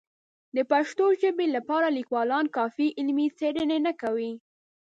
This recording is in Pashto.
د پښتو ژبې لپاره لیکوالان کافي علمي څېړنې نه کوي.